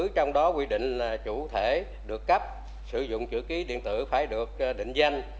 trong đó quy định là chủ thể được cấp sử dụng chữ ký điện tử phải được định danh